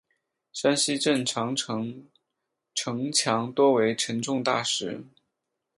山西镇长城城墙多为沉重大石。